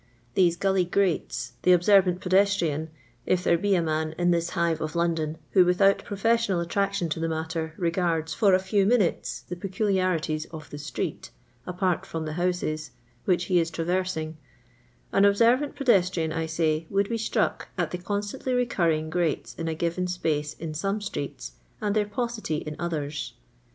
These ffuUy grates, the observant pedestrian — ^if there be n man in Uiis hive of London who, without professional attraction to the matter, regards for a few minutes the peculiarities of the street (apart from the houses) which he is traversing — an ob senrant pedestrian, I say, would be struck at the constantly recurring grates in a given space in some streets, and their paucity in others.